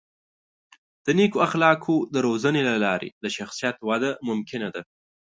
د نیکو اخلاقو د روزنې له لارې د شخصیت وده ممکنه ده.